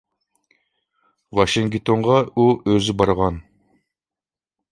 ۋاشىنگتونغا ئۇ ئۆزى بارغان.